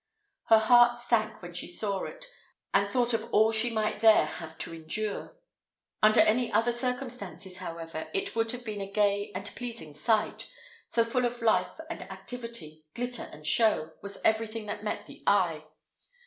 Her heart sank when she saw it, and thought of all she might there have to endure. Under any other circumstances, however, it would have been a gay and a pleasing sight; so full of life and activity, glitter and show, was everything that met the eye.